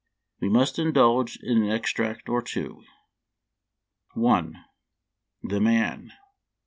We must indulge in an extract or two : I. The Man.